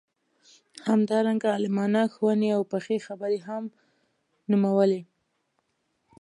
همدارنګه عالمانه ښووني او پخې خبرې هم نومولې.